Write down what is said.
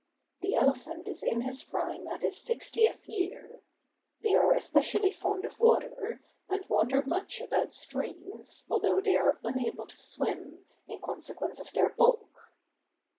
The elephant is in his prime at his sixtieth year. They are especially fond of water, and wander much about streams, although they are unable to swim, in consequence of their bulk.